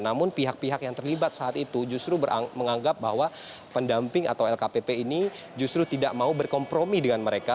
namun pihak pihak yang terlibat saat itu justru menganggap bahwa pendamping atau lkpp ini justru tidak mau berkompromi dengan mereka